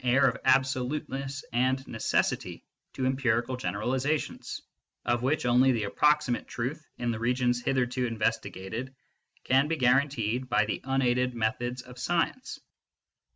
air of absoluteness and necessity to empirical generalisations, of which only the approximate truth in the regions hitherto investi gated can be guaranteed by the unaided methods of science.